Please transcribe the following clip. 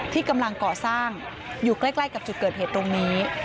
ที่กำลังก่อสร้างอยู่ใกล้กับจุดเกิดเหตุตรงนี้